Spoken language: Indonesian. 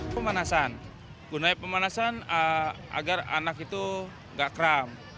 pemanasan gunanya pemanasan agar anak itu gak kram